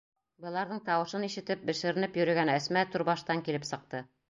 Быларҙың тауышын ишетеп, бешеренеп йөрөгән Әсмә түрбаштан килеп сыҡты.